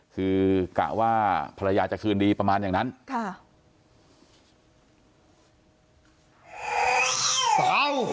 คือกะว่าภรรยาจะคืนดีประมาณอย่างนั้นค่ะ